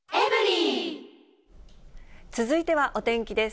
続いてはお天気です。